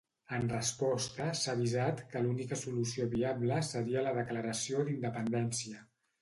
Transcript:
En resposta, s'ha avisat que l'única solució viable seria la declaració d'independència.